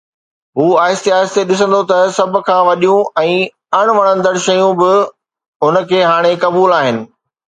هو آهستي آهستي ڏسندو ته سڀ کان وڏيون ۽ اڻ وڻندڙ شيون به هن کي هاڻي قبول آهن